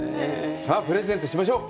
さあ、プレゼントしましょう！